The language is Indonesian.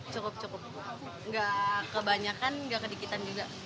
cukup cukup nggak kebanyakan nggak kedikitan juga